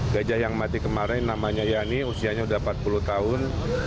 gajah yang mati kemarin namanya yani usianya sudah empat puluh tahun